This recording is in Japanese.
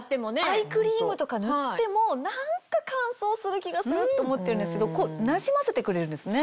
アイクリームとか塗っても何か乾燥する気がするって思ってるんですけどなじませてくれるんですね。